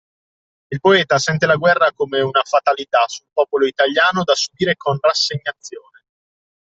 Il poeta sente la guerra come una fatalità sul popolo italiano da subire con rassegnazione.